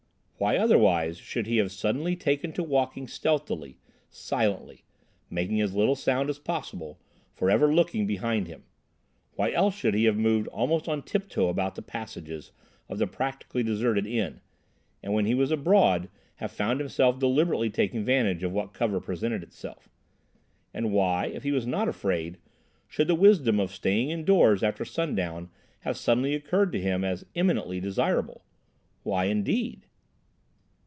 Why otherwise should he have suddenly taken to walking stealthily, silently, making as little sound as possible, for ever looking behind him? Why else should he have moved almost on tiptoe about the passages of the practically deserted inn, and when he was abroad have found himself deliberately taking advantage of what cover presented itself? And why, if he was not afraid, should the wisdom of staying indoors after sundown have suddenly occurred to him as eminently desirable? Why, indeed?